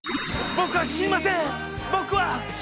僕は死にません！